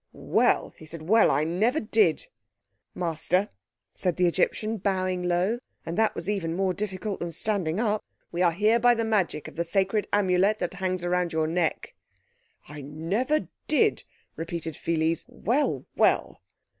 "Well!" he said, "well, I never did!" "Master," said the Egyptian, bowing low, and that was even more difficult than standing up, "we are here by the magic of the sacred Amulet that hangs round your neck." "I never did!" repeated Pheles. "Well, well!"